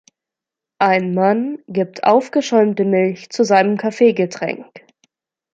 Ein Mann gibt aufgeschäumte Milch zu seinem Kaffeegetränk.